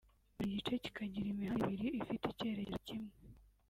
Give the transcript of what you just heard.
buri gice kikagira imihanda ibiri ifite icyerekezo kimwe